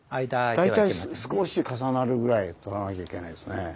大体少し重なるぐらいで撮らなきゃいけないですね。